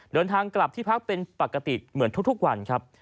เดินทางกลับที่พักเป็นปกติเหมือนทุกวันครับ